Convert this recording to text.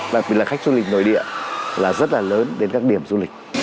bởi vì là khách du lịch nổi địa là rất là lớn đến các điểm du lịch